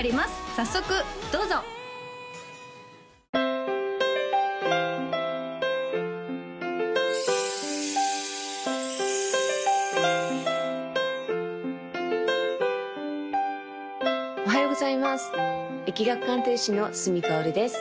早速どうぞおはようございます易学鑑定士の角かおるです